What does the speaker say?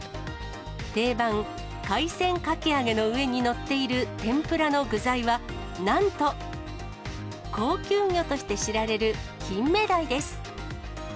定番、海鮮かき揚げの上に載っている天ぷらの具材は、なんと高級魚として知られる、金目鯛です。